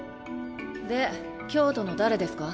で京都の誰ですか？